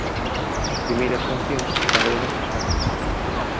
As primeiras cancións gravounas na súa casa.